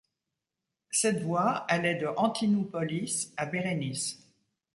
Cette voie allait de Antinoupolis à Berenice.